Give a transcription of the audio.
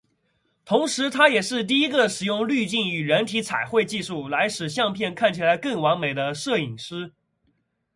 同时他也是第一个使用滤镜与人体彩绘技术来使相片看起来更完美的摄影师。